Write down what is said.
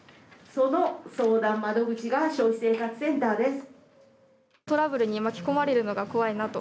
その相談窓口が消費者生活センターです。